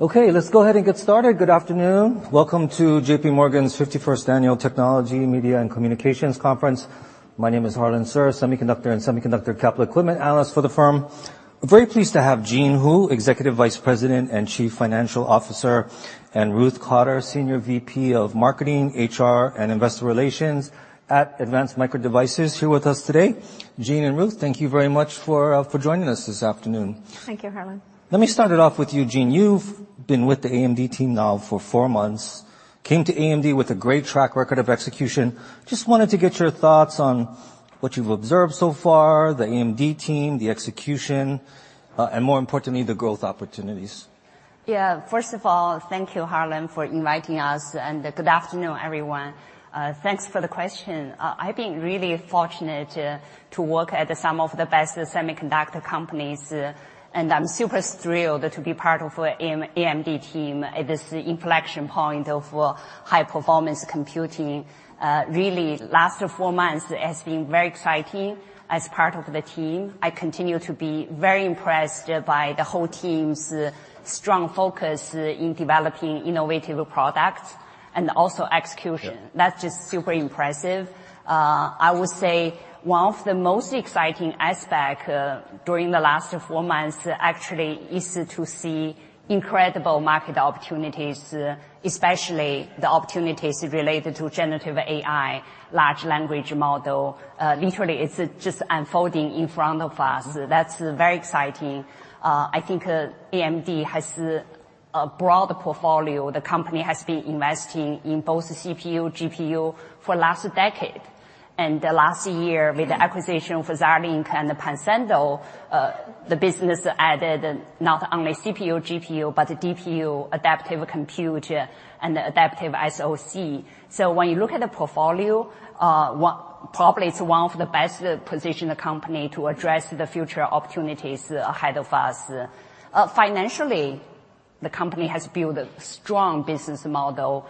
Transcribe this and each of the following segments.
Okay, let's go ahead and get started. Good afternoon. Welcome to JPMorgan's 51st Annual Technology, Media, and Communications Conference. My name is Harlan Sur, Semiconductor and Semiconductor Capital Equipment Analyst for the firm. I'm very pleased to have Jean Hu, Executive Vice President and Chief Financial Officer, and Ruth Cotter, Senior VP of Marketing, HR, and Investor Relations at Advanced Micro Devices here with us today. Jean and Ruth, thank you very much for joining us this afternoon. Thank you, Harlan. Let me start it off with you, Jean. You've been with the AMD team now for four months, came to AMD with a great track record of execution. Just wanted to get your thoughts on what you've observed so far, the AMD team, the execution, and more importantly, the growth opportunities. First of all, thank you, Harlan, for inviting us, and good afternoon, everyone. Thanks for the question. I've been really fortunate to work at some of the best semiconductor companies, and I'm super thrilled to be part of AMD team at this inflection point of high-performance computing. Really, last four months has been very exciting as part of the team. I continue to be very impressed by the whole team's strong focus in developing innovative products and also execution. Yeah. That's just super impressive. I would say one of the most exciting aspect during the last four months actually is to see incredible market opportunities, especially the opportunities related to generative AI, large language model. Literally, it's just unfolding in front of us. That's very exciting. I think AMD has a broad portfolio. The company has been investing in both CPU, GPU for last decade. The last year with the acquisition of Xilinx and Pensando, the business added not only CPU, GPU, but DPU, adaptive compute, and adaptive SoC. When you look at the portfolio, probably it's one of the best-positioned company to address the future opportunities ahead of us. Financially, the company has built a strong business model,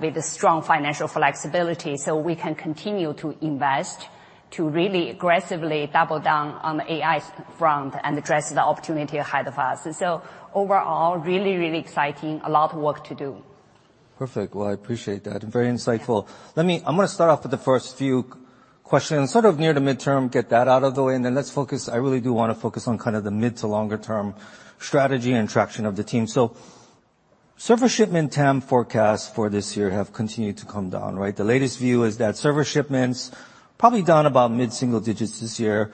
with a strong financial flexibility. We can continue to invest to really aggressively double down on the AI front and address the opportunity ahead of us. Overall, really, really exciting. A lot of work to do. Perfect. Well, I appreciate that. Very insightful. I'm gonna start off with the first few questions, sort of near to midterm, get that out of the way, and then I really do wanna focus on kind of the mid to longer term strategy and traction of the team. Server shipment TAM forecasts for this year have continued to come down, right? The latest view is that server shipments probably down about mid-single digits this year.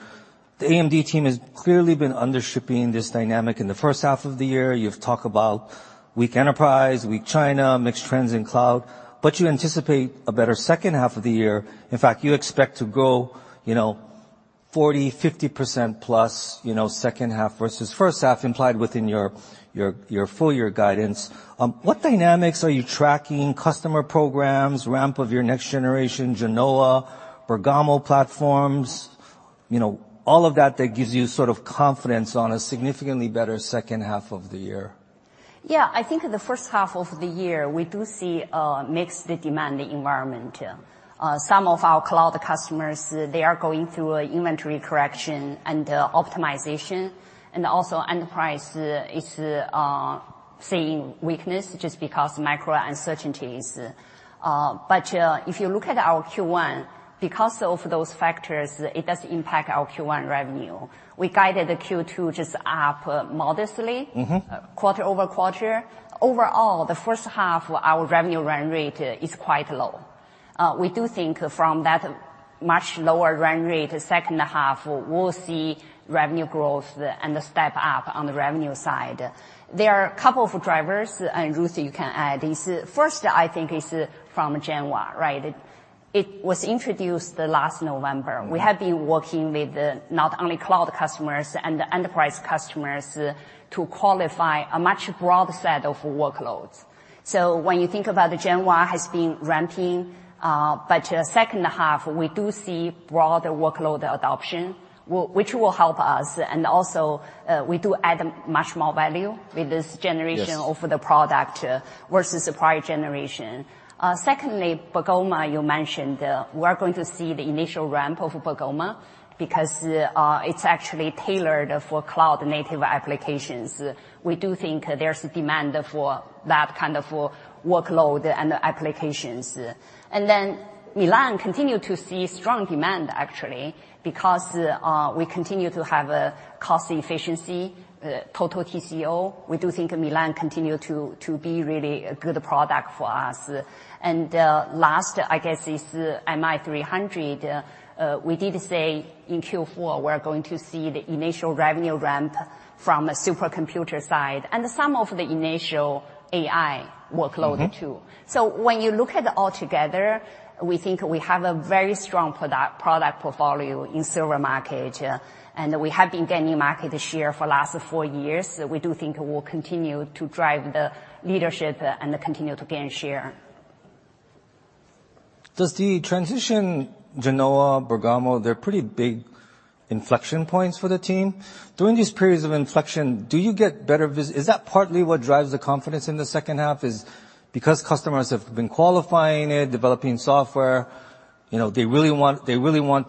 The AMD team has clearly been undershipping this dynamic in the first half of the year. You've talked about weak enterprise, weak China, mixed trends in cloud, but you anticipate a better second half of the year. In fact, you expect to grow, you know, 40%, 50% plus, you know, second half versus first half implied within your, your full year guidance. What dynamics are you tracking, customer programs, ramp of your next generation Genoa, Bergamo platforms, you know, all of that that gives you sort of confidence on a significantly better second half of the year? Yeah. I think the first half of the year, we do see a mixed demand environment. Some of our cloud customers, they are going through an inventory correction and optimization. Enterprise is seeing weakness just because macro uncertainties. If you look at our Q1, because of those factors, it does impact our Q1 revenue. We guided the Q2 just up modestly... Mm-hmm... quarter-over-quarter. Overall, the first half of our revenue run rate is quite low. We do think from that much lower run rate, second half we'll see revenue growth and a step up on the revenue side. There are a couple of drivers, Ruth, you can add this. First, I think is from Genoa, right? It was introduced last November. Mm-hmm. We have been working with not only cloud customers and enterprise customers to qualify a much broader set of workloads. When you think about Genoa has been ramping, but second half, we do see broader workload adoption, which will help us. Also, we do add much more value with this generation... Yes... of the product versus the prior generation. Secondly, Bergamo, you mentioned. We're going to see the initial ramp of Bergamo because it's actually tailored for cloud-native applications. We do think there's demand for that kind of workload and applications. Milan continue to see strong demand actually because we continue to have a cost efficiency, total TCO. We do think Milan continue to be really a good product for us. Last I guess is MI300. We did say in Q4 we're going to see the initial revenue ramp from a supercomputer side and some of the initial AI workload too. Mm-hmm. When you look at all together, we think we have a very strong product portfolio in server market, and we have been gaining market share for last four years. We do think we'll continue to drive the leadership and continue to gain share. Does the transition Genoa, Bergamo, they're pretty big inflection points for the team. During these periods of inflection, do you get better? Is that partly what drives the confidence in the second half, is because customers have been qualifying it, developing software? You know, they really want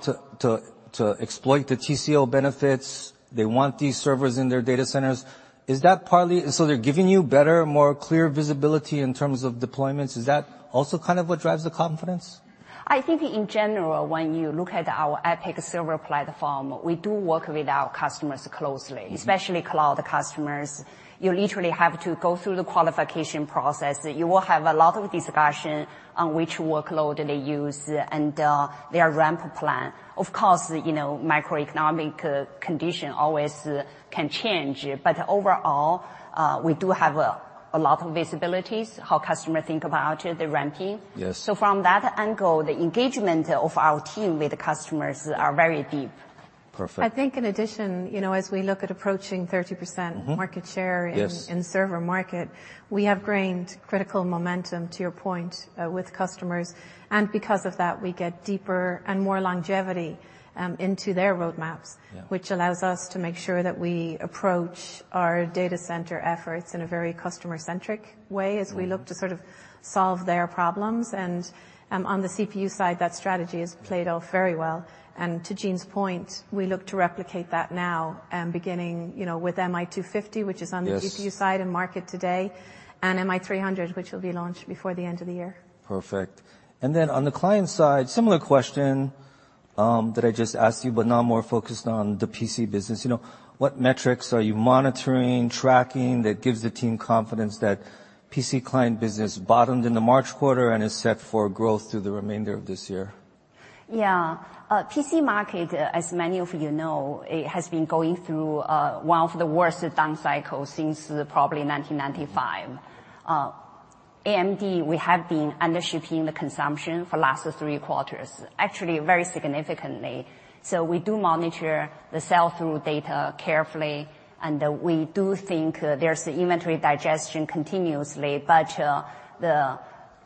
to exploit the TCO benefits. They want these servers in their data centers. They're giving you better, more clear visibility in terms of deployments. Is that also kind of what drives the confidence? I think in general, when you look at our EPYC server platform, we do work with our customers closely. Mm-hmm. Especially cloud customers. You literally have to go through the qualification process. You will have a lot of discussion on which workload they use and their ramp plan. Of course, you know, macroeconomic condition always can change, but overall, we do have a lot of visibilities, how customer think about the ramping. Yes. From that angle, the engagement of our team with the customers are very deep. Perfect. I think in addition, you know, as we look at approaching 30%... Mm-hmm. ...Market share... Yes... in server market, we have gained critical momentum, to your point, with customers, and because of that, we get deeper and more longevity, into their roadmaps... Yeah. ...which allows us to make sure that we approach our data center efforts in a very customer-centric way... Mm-hmm... as we look to sort of solve their problems. On the CPU side, that strategy has played out very well. To Jean's point, we look to replicate that now, beginning, you know, with MI250 which is... Yes ...on GPU side and market today, and MI300, which will be launched before the end of the year. Perfect. On the client side, similar question that I just asked you, but now more focused on the PC business. You know, what metrics are you monitoring, tracking that gives the team confidence that PC client business bottomed in the March quarter and is set for growth through the remainder of this year? Yeah. PC market, as many of you know, it has been going through, one of the worst down cycles since probably 1995. AMD, we have been undershipping the consumption for last three quarters, actually very significantly. We do monitor the sell-through data carefully, we do think, there's inventory digestion continuously. The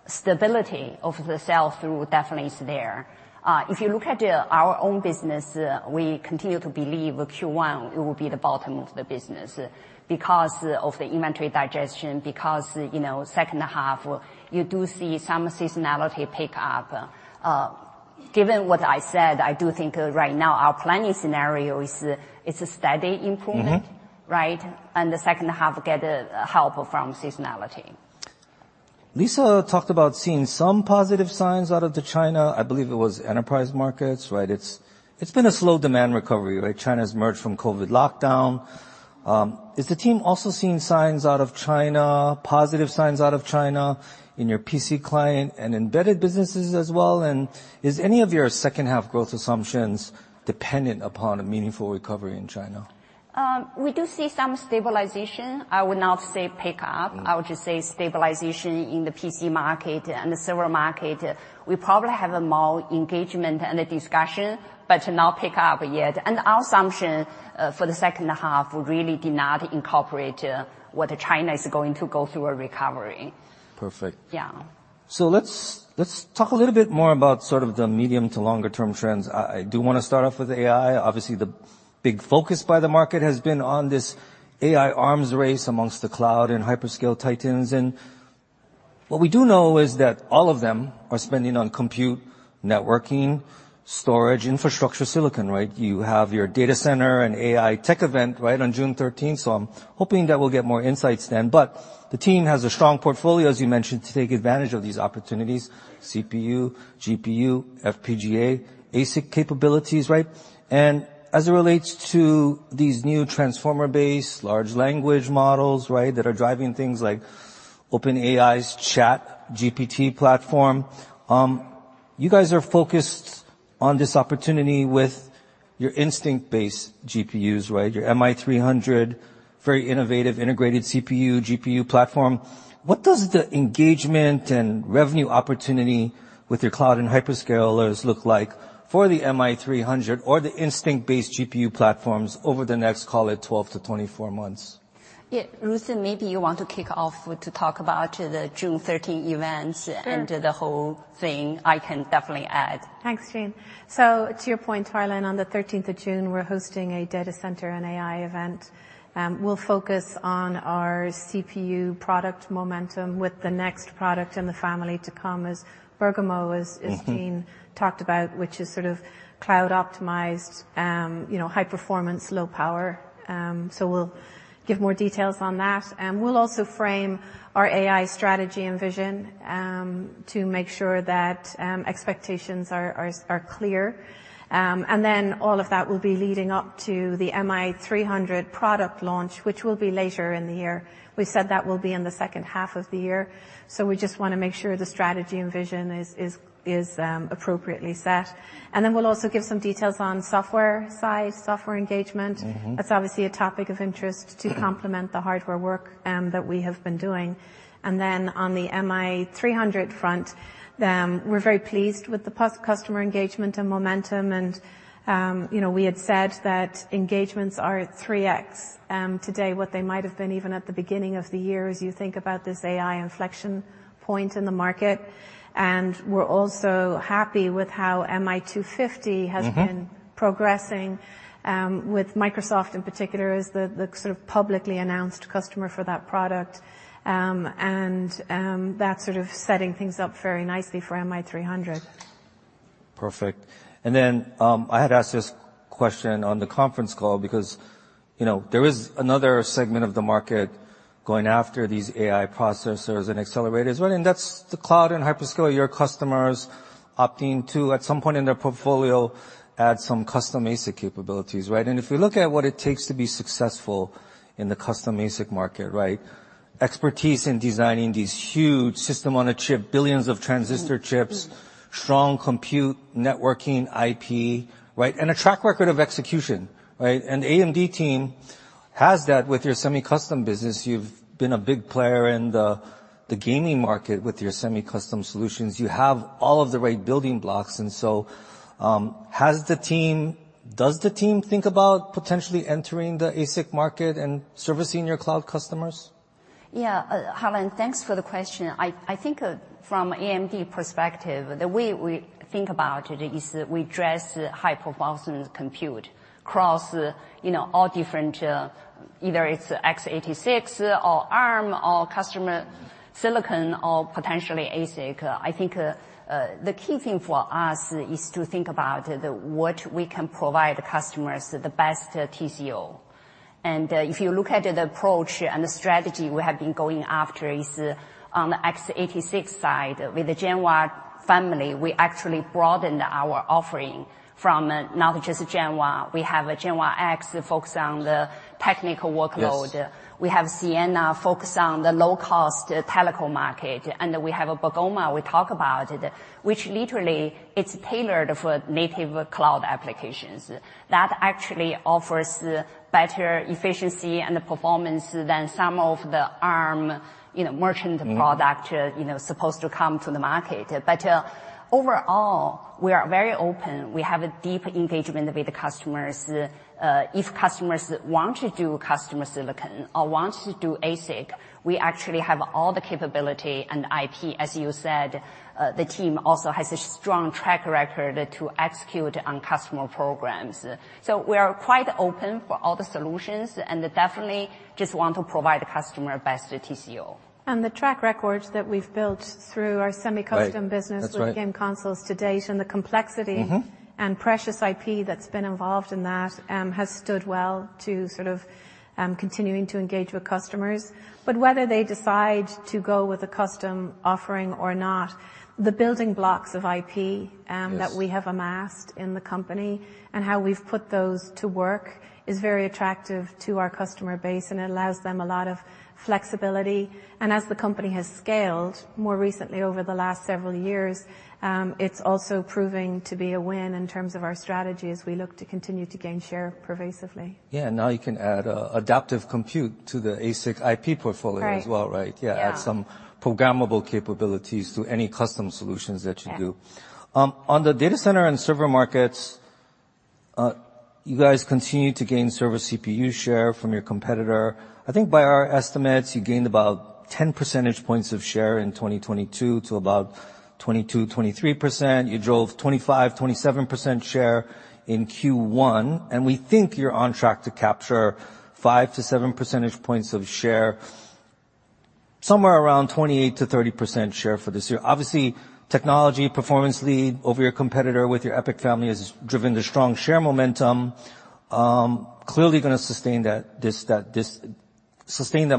stability of the sell-through definitely is there. If you look at, our own business, we continue to believe Q1 it will be the bottom of the business, because of the inventory digestion, because, you know, second half, you do see some seasonality pick-up. Given what I said, I do think right now our planning scenario is a steady improvement. Mm-hmm. Right? The second half get help from seasonality. Lisa talked about seeing some positive signs out of the China. I believe it was enterprise markets, right? It's, it's been a slow demand recovery, right? China's emerged from COVID lockdown. Is the team also seeing signs out of China, positive signs out of China in your PC client and embedded businesses as well? Is any of your second half growth assumptions dependent upon a meaningful recovery in China? We do see some stabilization. I would not say pick-up. Mm. I would just say stabilization in the PC market and the server market. We probably have a more engagement and a discussion, but not pick-up yet. Our assumption for the second half really did not incorporate whether China is going to go through a recovery. Perfect. Yeah. Let's talk a little bit more about sort of the medium to longer term trends. I do wanna start off with AI. Obviously, the big focus by the market has been on this AI arms race amongst the cloud and hyperscale titans. What we do know is that all of them are spending on compute, networking, storage, infrastructure, silicon, right? You have your data center and AI tech event, right, on June 13th, so I'm hoping that we'll get more insights then. The team has a strong portfolio, as you mentioned, to take advantage of these opportunities, CPU, GPU, FPGA, ASIC capabilities, right? As it relates to these new transformer-based large language models, right, that are driving things like OpenAI's ChatGPT platform, you guys are focused on this opportunity with your Instinct-based GPUs, right? Your MI300, very innovative, integrated CPU, GPU platform. What does the engagement and revenue opportunity with your cloud and hyperscalers look like for the MI300 or the Instinct-based GPU platforms over the next, call it, 12-24 months? Yeah, Ruth, maybe you want to kick off to talk about the June 13th event.... Sure... and the whole thing. I can definitely add. Thanks, Jean. To your point, Harlan, on the 13th of June, we're hosting a data center and AI event. We'll focus on our CPU product momentum with the next product in the family to come, as Bergamo is... Mm-hmm... is being talked about, which is sort of cloud optimized, you know, high performance, low power. We'll give more details on that. We'll also frame our AI strategy and vision, to make sure that expectations are clear. All of that will be leading up to the MI300 product launch, which will be later in the year. We said that will be in the second half of the year, so we just wanna make sure the strategy and vision is appropriately set. We'll also give some details on software size, software engagement. Mm-hmm. That's obviously a topic of interest to complement the hardware work that we have been doing. On the MI300 front, we're very pleased with the customer engagement and momentum, you know, we had said that engagements are at 3x today what they might have been even at the beginning of the year, as you think about this AI inflection point in the market. We're also happy with how MI250 has been... Mm-hmm... progressing, with Microsoft in particular as the sort of publicly announced customer for that product. That's sort of setting things up very nicely for MI300. Perfect. I had asked this question on the conference call because, you know, there is another segment of the market going after these AI processors and accelerators, right? That's the cloud and hyperscale. Your customers opting to, at some point in their portfolio, add some custom ASIC capabilities, right? If you look at what it takes to be successful in the custom ASIC market, right? Expertise in designing these huge system on a chip, billions of transistor chips, strong compute, networking, IP, right? A track record of execution, right? AMD team has that with your semi-custom business. You've been a big player in the gaming market with your semi-custom solutions. You have all of the right building blocks. Does the team think about potentially entering the ASIC market and servicing your cloud customers? Yeah. Harlan, thanks for the question. I think from AMD perspective, the way we think about it is we address high-performance compute across, you know, all different, either it's x86 or Arm or customer silicon or potentially ASIC. I think the key thing for us is to think about what we can provide customers the best TCO. If you look at the approach and the strategy we have been going after is on the x86 side. With the Genoa family, we actually broadened our offering from not just Genoa. We have a Genoa-X that focus on the technical workload. Yes. We have Siena focused on the low-cost telecom market. We have Bergamo we talk about, which literally it's tailored for native cloud applications that actually offers better efficiency and performance than some of the Arm, you know, merchant product. Mm-hmm. You know, supposed to come to the market. Overall, we are very open. We have a deep engagement with the customers. If customers want to do customer silicon or want to do ASIC, we actually have all the capability and IP, as you said. The team also has a strong track record to execute on customer programs. We are quite open for all the solutions, and definitely just want to provide the customer best TCO. The track record that we've built through our semi-custom business... Right. That's right. ...with game consoles to date and the complexity. Mm-hmm. Precious IP that's been involved in that, has stood well to sort of, continuing to engage with customers. Whether they decide to go with a custom offering or not, the building blocks of IP. Yes. That we have amassed in the company and how we've put those to work is very attractive to our customer base, and it allows them a lot of flexibility. As the company has scaled more recently over the last several years, it's also proving to be a win in terms of our strategy as we look to continue to gain share pervasively. Yeah. Now you can add adaptive compute to the ASIC IP portfolio as well. Right. Right? Yeah. Yeah. Add some programmable capabilities to any custom solutions that you do. Yeah. On the data center and server markets, you guys continue to gain server CPU share from your competitor. I think by our estimates, you gained about 10 percentage points of share in 2022 to about 22%-23%. You drove 25%-27% share in Q1, and we think you're on track to capture 5 to 7 percentage points of share, somewhere around 28%-30% share for this year. Obviously, technology performance lead over your competitor with your EPYC family has driven the strong share momentum. Clearly gonna sustain that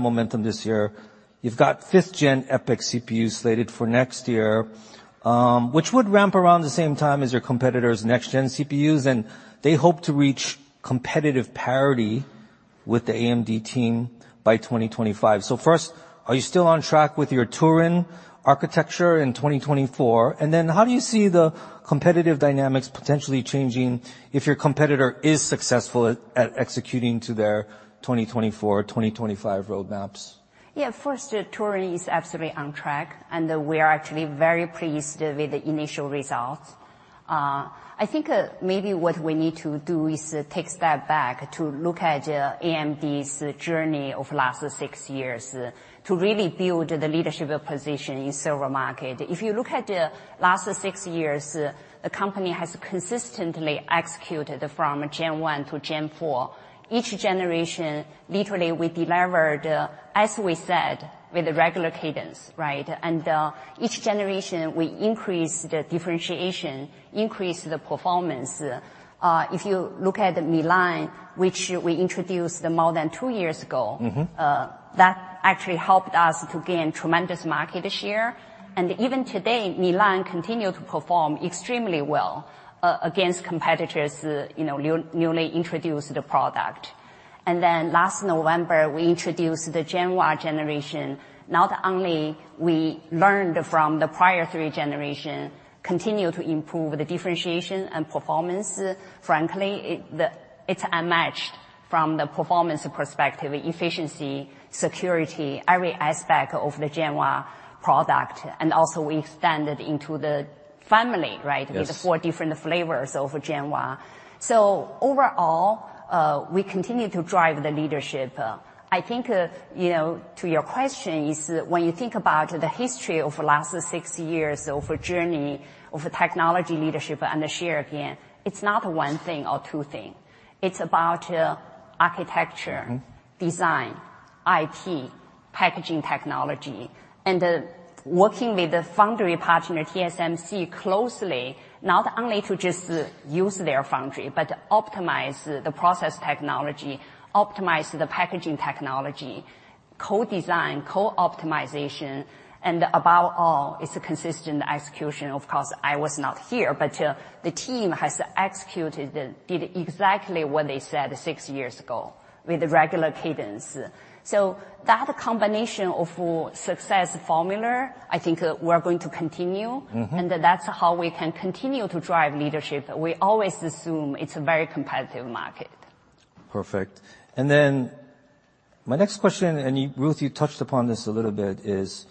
momentum this year. You've got 5th-gen EPYC CPU slated for next year, which would ramp around the same time as your competitor's next-gen CPUs, and they hope to reach competitive parity with the AMD team by 2025. First, are you still on track with your Turin architecture in 2024? How do you see the competitive dynamics potentially changing if your competitor is successful at executing to their 2024, 2025 roadmaps? Yeah. First, Turin is absolutely on track, we are actually very pleased with the initial results. I think, maybe what we need to do is take a step back to look at AMD's journey of last six years to really build the leadership position in server market. If you look at the last six years, the company has consistently executed from gen 1 to gen 4. Each generation, literally, we delivered, as we said, with regular cadence, right? Each generation we increased the differentiation, increased the performance. If you look at Milan, which we introduced more than two years ago,... Mm-hmm. ...that actually helped us to gain tremendous market share. Even today, Milan continue to perform extremely well, against competitors', you know, newly introduced product. Last November, we introduced the Genoa generation. Not only we learned from the prior three generation, continue to improve the differentiation and performance. Frankly, it's unmatched from the performance perspective, efficiency, security, every aspect of the Genoa product. Also we expanded into the family, right? Yes. With four different flavors of Genoa. Overall, we continue to drive the leadership. I think, you know, to your question is, when you think about the history of last six years of journey, of technology leadership and the share gain, it's not one thing or two thing. It's about, architecture... Mm-hmm. ...design, IP Packaging technology. Working with the foundry partner TSMC closely, not only to just use their foundry, but to optimize the process technology, optimize the packaging technology, co-design, co-optimization. Above all, it's a consistent execution. Of course, I was not here, but the team has executed, did exactly what they said six years ago with regular cadence. That combination of success formula, I think we're going to continue. Mm-hmm. That's how we can continue to drive leadership. We always assume it's a very competitive market. Perfect. My next question, and Ruth, you touched upon this a little bit, is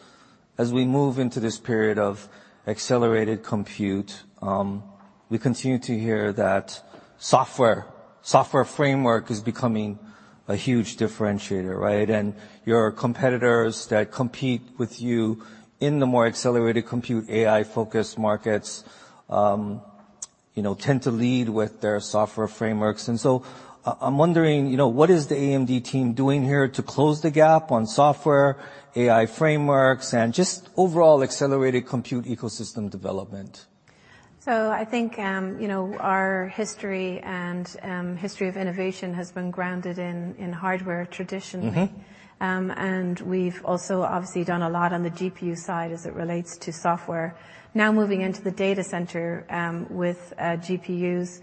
as we move into this period of accelerated compute, we continue to hear that software framework is becoming a huge differentiator, right? Your competitors that compete with you in the more accelerated compute AI-focused markets, you know, tend to lead with their software frameworks. I'm wondering, you know, what is the AMD team doing here to close the gap on software, AI frameworks, and just overall accelerated compute ecosystem development? I think, you know, our history and, history of innovation has been grounded in hardware traditionally. Mm-hmm. We've also obviously done a lot on the GPU side as it relates to software. Now, moving into the data center, with GPUs,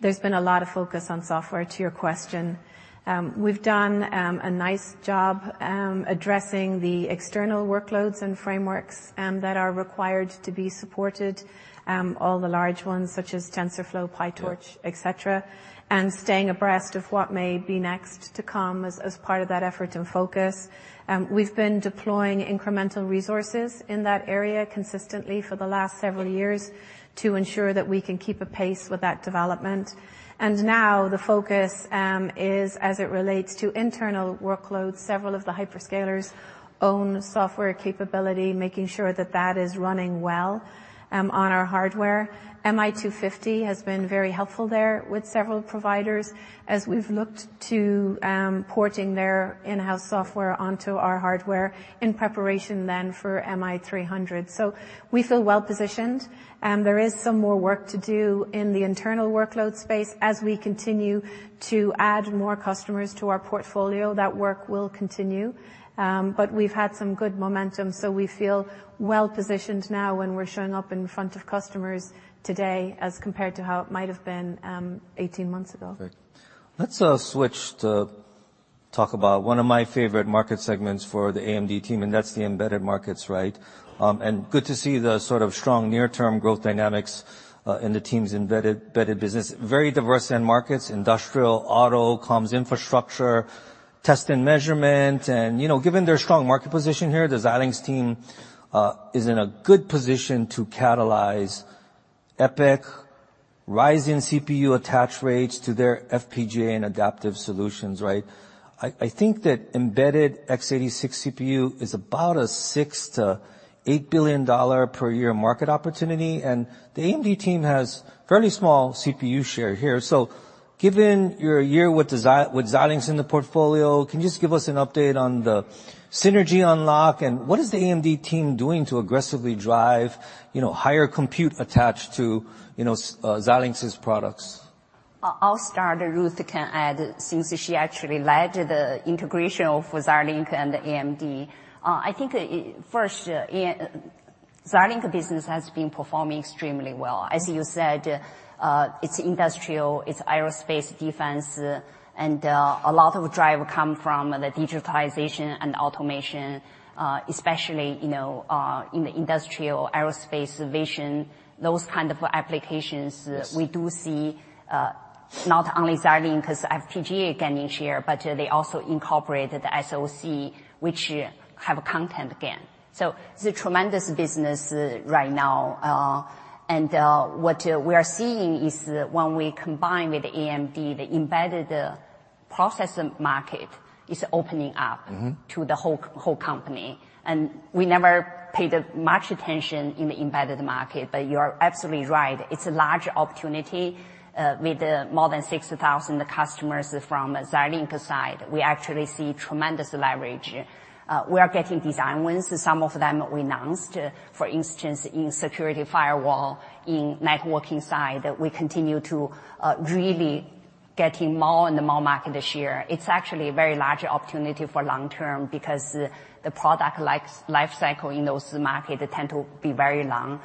there's been a lot of focus on software, to your question. We've done a nice job addressing the external workloads and frameworks that are required to be supported. All the large ones such as TensorFlow, PyTorch, et cetera, and staying abreast of what may be next to come as part of that effort and focus. We've been deploying incremental resources in that area consistently for the last several years to ensure that we can keep a pace with that development. Now the focus is as it relates to internal workloads, several of the hyperscalers own software capability, making sure that that is running well on our hardware. MI250 has been very helpful there with several providers as we've looked to porting their in-house software onto our hardware in preparation then for MI300. We feel well positioned. There is some more work to do in the internal workload space. We continue to add more customers to our portfolio, that work will continue. We've had some good momentum, so we feel well positioned now when we're showing up in front of customers today as compared to how it might have been 18 months ago. Great. Let's switch to talk about one of my favorite market segments for the AMD team, and that's the embedded markets, right? Good to see the sort of strong near-term growth dynamics in the team's embedded business. Very diverse end markets, industrial, auto, comms infrastructure, test and measurement. You know, given their strong market position here, the Xilinx team is in a good position to catalyze EPYC, rising CPU attach rates to their FPGA and adaptive solutions, right? I think that embedded x86 CPU is about a $6 billion-$8 billion per year market opportunity, the AMD team has fairly small CPU share here. Given your year with Xilinx in the portfolio, can you just give us an update on the synergy unlock, and what is the AMD team doing to aggressively drive, you know, higher compute attached to, you know, Xilinx's products? I'll start, and Ruth can add since she actually led the integration of Xilinx and AMD. I think, first, Xilinx business has been performing extremely well. As you said, it's industrial, it's aerospace, defense, and a lot of drive come from the digitalization and automation, especially, you know, in the industrial aerospace vision, those kind of applications... Yes ...we do see, not only Xilinx's FPGA gaining share, but they also incorporated the SoC, which have content gain. It's a tremendous business, right now. What we are seeing is when we combine with AMD, the embedded processor market is opening up... Mm-hmm ....to the whole company. We never paid much attention in the embedded market, you're absolutely right. It's a large opportunity with more than 6,000 customers from Xilinx side. We actually see tremendous leverage. We are getting design wins, some of them we announced. For instance, in security firewall, in networking side, we continue to really getting more and more market share. It's actually a very large opportunity for long term because the product life cycle in those markets tend to be very long.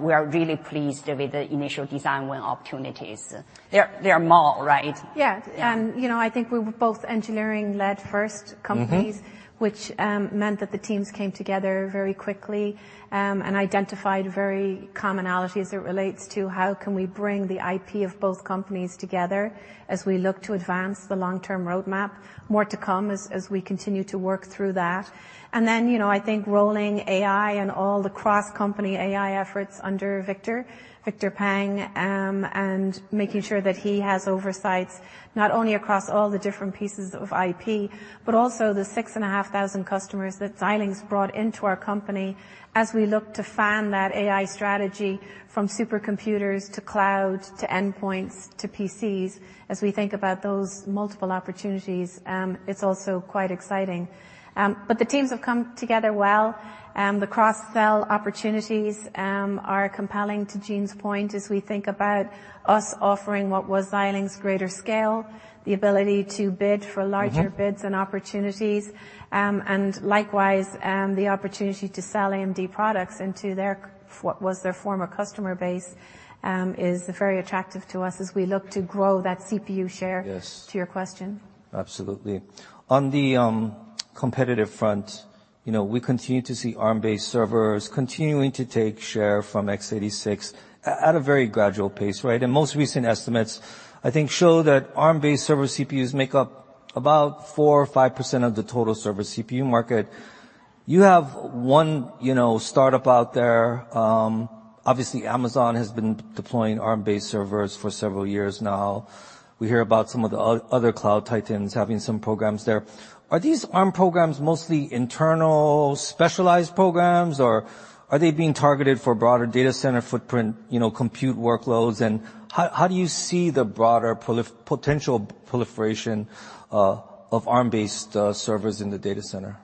We are really pleased with the initial design win opportunities. There are more, right? Yeah. Yeah. You know, I think we were both engineering-led first companies... Mm-hmm ...which meant that the teams came together very quickly and identified very commonalities as it relates to how can we bring the IP of both companies together as we look to advance the long-term roadmap. More to come as we continue to work through that. You know, I think rolling AI and all the cross-company AI efforts under Victor Peng and making sure that he has oversights not only across all the different pieces of IP, but also the 6,500 customers that Xilinx brought into our company as we look to fan that AI strategy from supercomputers to cloud, to endpoints, to PCs. As we think about those multiple opportunities, it's also quite exciting. The teams have come together well. The cross-sell opportunities are compelling, to Jean's point, as we think about us offering what was Xilinx greater scale, the ability to bid for larger... Mm-hmm... bids and opportunities. And likewise, the opportunity to sell AMD products into their what was their former customer base, is very attractive to us as we look to grow that CPU share... Yes ...to your question. Absolutely. On the Competitive front, you know, we continue to see Arm-based servers continuing to take share from x86 at a very gradual pace, right? Most recent estimates, I think, show that Arm-based server CPUs make up about 4% or 5% of the total server CPU market. You have one, you know, startup out there. Obviously Amazon has been deploying Arm-based servers for several years now. We hear about some of the other cloud titans having some programs there. Are these Arm programs mostly internal specialized programs, or are they being targeted for broader data center footprint, you know, compute workloads? How do you see the broader potential proliferation of Arm-based servers in the data center?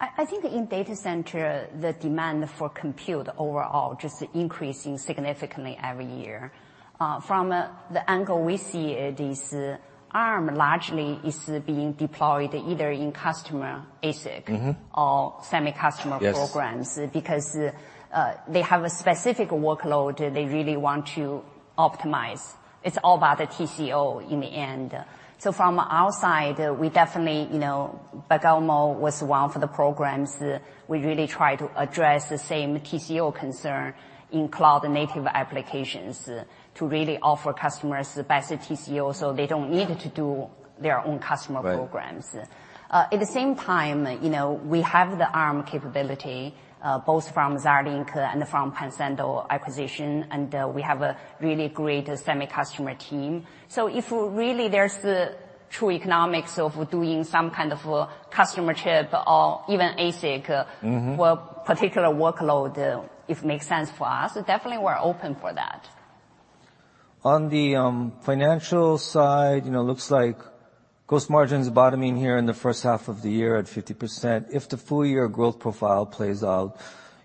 I think in data center, the demand for compute overall just increasing significantly every year. From the angle we see it is, Arm largely is being deployed either in customer ASIC... Mm-hmm ...or semi-custom programs... Yes ...because they have a specific workload they really want to optimize. It's all about the TCO in the end. From our side, we definitely, you know, Bergamo was one for the programs. We really try to address the same TCO concern in cloud-native applications to really offer customers the best TCO so they don't need to do their own customer programs. Right. At the same time, you know, we have the Arm capability, both from Xilinx and from Pensando acquisition, we have a really great semi-custom team. If really there's the true economics of doing some kind of a customer chip or even ASIC... Mm-hmm ...for particular workload, if makes sense for us, definitely we're open for that. On the financial side, you know, looks like gross margins bottoming here in the first half of the year at 50%. If the full year growth profile plays out,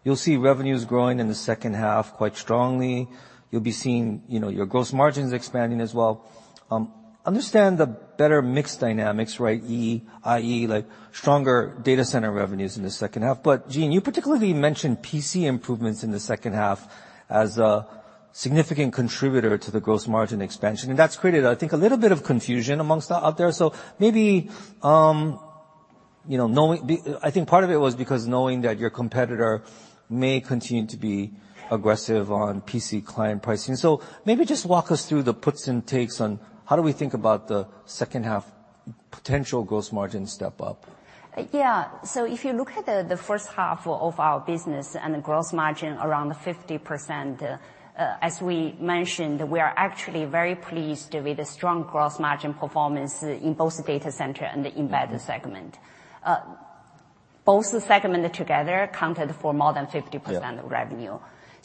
you'll see revenues growing in the second half quite strongly. You'll be seeing, you know, your gross margins expanding as well. Understand the better mix dynamics, right, i.e., like stronger data center revenues in the second half. Jean, you particularly mentioned PC improvements in the second half as a significant contributor to the gross margin expansion, and that's created, I think, a little bit of confusion out there. Maybe, you know, knowing I think part of it was because knowing that your competitor may continue to be aggressive on PC client pricing. Maybe just walk us through the puts and takes on how do we think about the second half potential gross margin step up? Yeah. If you look at the first half of our business and the gross margin around 50%, as we mentioned, we are actually very pleased with the strong gross margin performance in both the data center and the embedded segment. Both segment together accounted for more than 50% of revenue.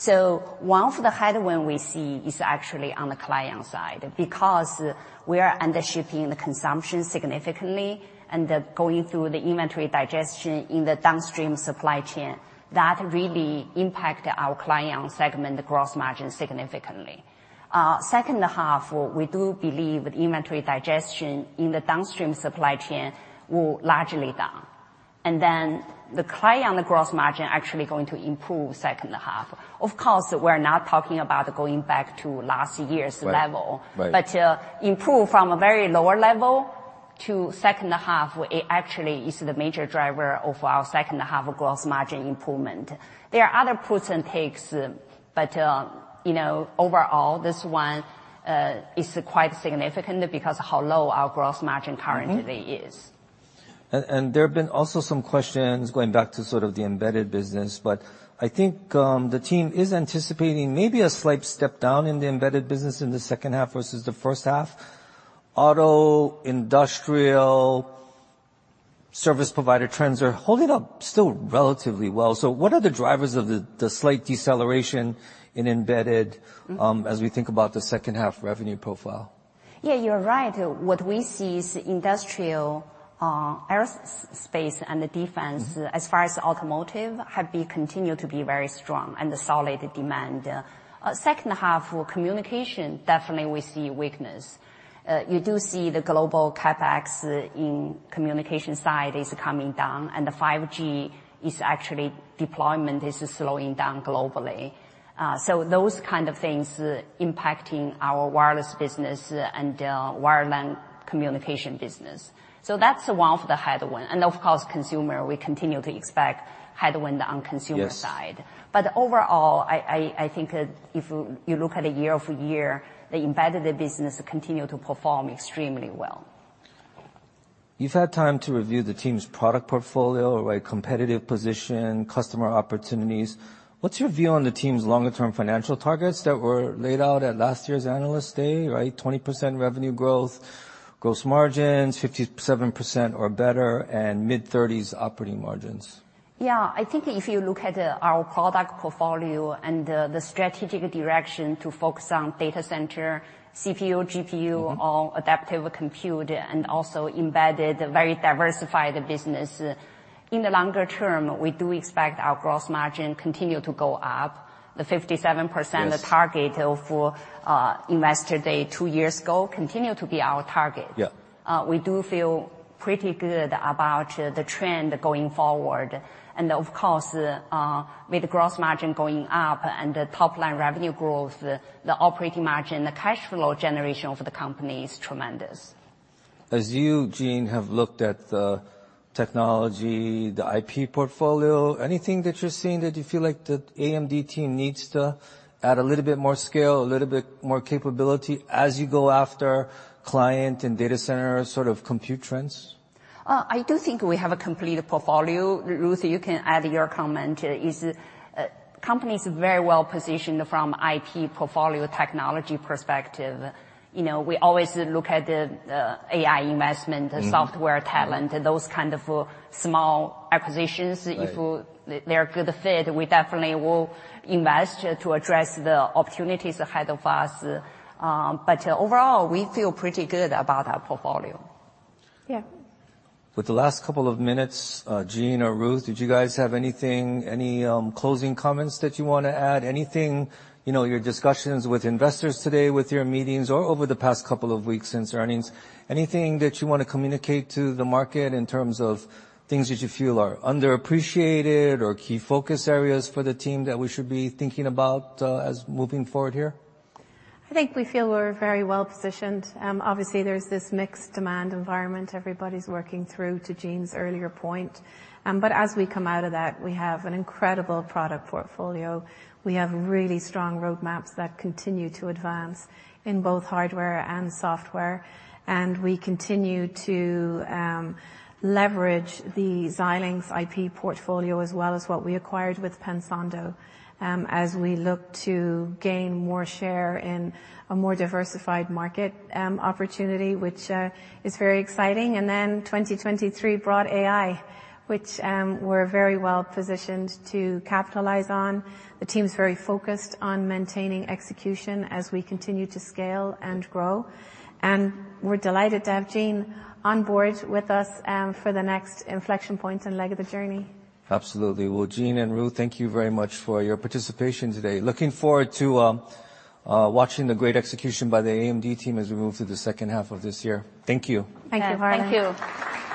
Yeah. One of the headwind we see is actually on the client side, because we are undershipping the consumption significantly and then going through the inventory digestion in the downstream supply chain, that really impact our client segment, the gross margin significantly. Second half, we do believe inventory digestion in the downstream supply chain will largely down. The client gross margin actually going to improve second half. Of course, we're not talking about going back to last year's level. Right. Right. Improve from a very lower level to second half actually is the major driver of our second half gross margin improvement. There are other puts and takes, you know, overall, this one is quite significant because how low our gross margin currently is. Mm-hmm. There have been also some questions going back to sort of the embedded business. I think the team is anticipating maybe a slight step down in the embedded business in the second half versus the first half. Auto, industrial, service provider trends are holding up still relatively well. What are the drivers of the slight deceleration in embedded as we think about the second half revenue profile? You're right. What we see is industrial, aerospace and defense, as far as automotive, have been continued to be very strong and solid demand. Second half, for communication, definitely we see weakness. You do see the global CapEx in communication side is coming down, and the 5G is actually deployment is slowing down globally. Those kind of things impacting our wireless business and wireline communication business. That's one of the headwind. Of course, consumer, we continue to expect headwind on consumer side. Yes. Overall, I think if you look at year-over-year, the embedded business continue to perform extremely well. You've had time to review the team's product portfolio, right, competitive position, customer opportunities. What's your view on the team's longer term financial targets that were laid out at last year's Analyst Day, right? 20% revenue growth, gross margins 57% or better, and mid-30s operating margins. Yeah. I think if you look at our product portfolio and the strategic direction to focus on data center, CPU, GPU... Mm-hmm ...all adaptive compute and also embedded, very diversified business. In the longer term, we do expect our gross margin continue to go up. The 57%... Yes ...target for, Investor Day two years ago continue to be our target. Yeah. We do feel pretty good about the trend going forward. Of course, with gross margin going up and the top line revenue growth, the operating margin, the cash flow generation for the company is tremendous. As you, Jean, have looked at the technology, the IP portfolio, anything that you're seeing that you feel like the AMD team needs to add a little bit more scale, a little bit more capability as you go after client and data center sort of compute trends? I do think we have a complete portfolio. Ruth, you can add your comment. Is, company's very well positioned from IP portfolio technology perspective. You know, we always look at, AI... Mm-hmm. ...software talent, those kind of small acquisitions. Right. If they're a good fit, we definitely will invest to address the opportunities ahead of us. Overall, we feel pretty good about our portfolio. Yeah. With the last couple of minutes, Jean or Ruth, did you guys have anything, any closing comments that you wanna add? Anything, you know, your discussions with investors today with your meetings or over the past couple of weeks since earnings, anything that you wanna communicate to the market in terms of things that you feel are underappreciated or key focus areas for the team that we should be thinking about as moving forward here? I think we feel we're very well positioned. Obviously there's this mixed demand environment everybody's working through, to Jean's earlier point. As we come out of that, we have an incredible product portfolio. We have really strong road maps that continue to advance in both hardware and software. We continue to leverage the Xilinx IP portfolio as well as what we acquired with Pensando, as we look to gain more share in a more diversified market opportunity, which is very exciting. Then 2023 brought AI, which we're very well positioned to capitalize on. The team's very focused on maintaining execution as we continue to scale and grow. We're delighted to have Jean on board with us, for the next inflection point and leg of the journey. Absolutely. Well, Jean and Ruth, thank you very much for your participation today. Looking forward to watching the great execution by the AMD team as we move through the second half of this year. Thank you. Thank you, Harlan. Yeah. Thank you.